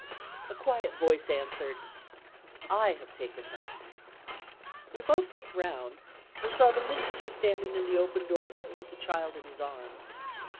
A quiet voice answered: "I have taken her." We both looked round and saw the Minister standing in the open doorway, with the child in his arms.